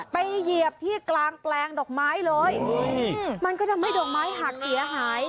เหยียบที่กลางแปลงดอกไม้เลยมันก็ทำให้ดอกไม้หักเสียหาย